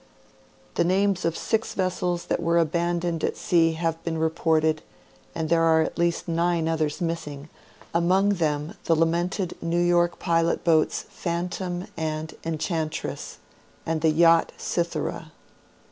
The names of six vessels that were abandoned at sea have been reported, and there are at least nine others missing, among them the lamented New York pilot boats " Phantom " and " Enchantress," and the yacht " Cythera."